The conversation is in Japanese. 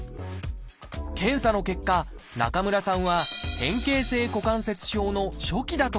検査の結果中村さんは変形性股関節症の初期だと分かりました。